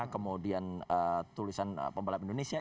kemudian tulisan pembalap indonesia